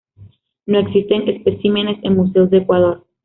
No existen especímenes en museos de Ecuador.